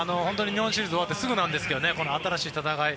日本シリーズが終わってすぐなんですけど新しい戦い。